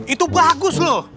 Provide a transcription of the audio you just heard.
itu bagus loh